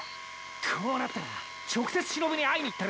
こうなったら直接しのぶに会いに行ったる。